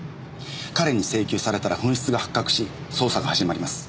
彼に請求されたら紛失が発覚し捜査が始まります。